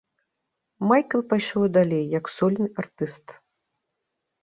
Майкл пайшоў далей як сольны артыст.